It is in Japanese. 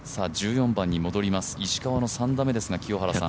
１４番に戻ります、石川の３打目ですが。